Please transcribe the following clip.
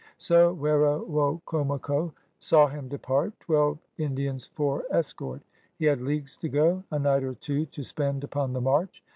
So Werowocomoco saw him depart, twelve Indi ans for escort. He had leagues to go, a night or two to spend upon the march.